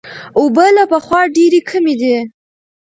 اوبه له پخوا ډېرې کمې دي.